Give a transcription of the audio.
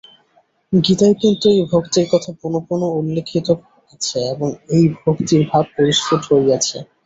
গীতায় কিন্তু এই ভক্তির কথা পুনঃপুন উল্লিখিত আছে এবং এই ভক্তির ভাব পরিস্ফুট হইয়াছে।